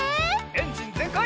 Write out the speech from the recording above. エンジンぜんかい！